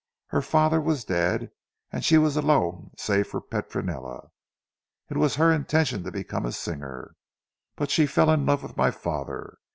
Her father was dead and she was alone save for Petronella. It was her intention to become a singer; but she fell in love with my father.